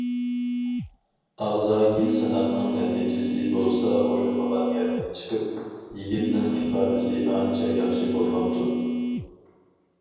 ئاغزاكى سىناقنىڭ نەتىجىسى بولسا ئويلىمىغان يەردىن چىقىپ، يىگىتنىڭ ئىپادىسى ئانچە ياخشى بولماپتۇ.